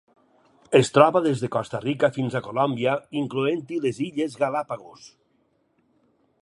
Es troba des de Costa Rica fins a Colòmbia, incloent-hi les Illes Galápagos.